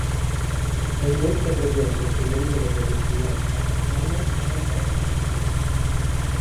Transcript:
È inoltre presente sulle isole dello Sri Lanka, Hainan e nel Borneo.